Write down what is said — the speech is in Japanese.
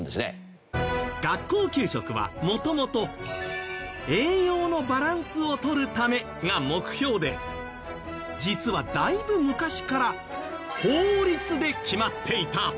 学校給食は元々栄養のバランスをとるためが目標で実はだいぶ昔から法律で決まっていた。